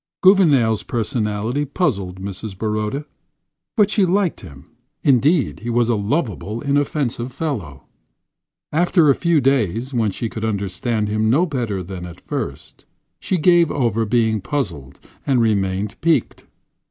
Gouvernail's personality puzzled Mrs. Baroda, but she liked him. Indeed, he was a lovable, inoffensive fellow. After a few days, when she could understand him no better than at first, she gave over being puzzled and remained piqued.